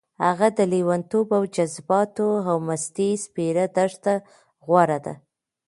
هغه د لېونتوب او جذباتو او مستۍ سپېره دښته غوره ده.